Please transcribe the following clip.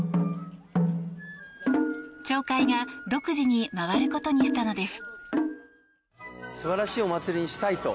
町会が独自に回ることにしたのです。